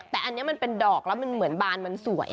แต่อันนี้มันเป็นดอกแล้วมันเหมือนบานมันสวย